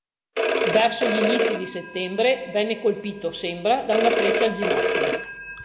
Verso gli inizi di settembre venne colpito, sembra, da una freccia al ginocchio.